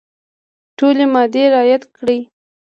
ټولي مادې رعیات کړي.